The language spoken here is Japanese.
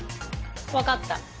分かった。